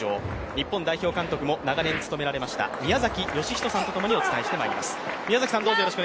日本代表監督も長年務められました、宮崎義仁さんとお伝えしてまいります。